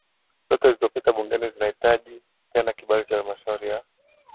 zote zilizopita bungeni zinahitaji tena kibali cha halmashauri ya